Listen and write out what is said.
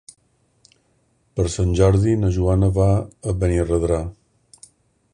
Per Sant Jordi na Joana va a Benirredrà.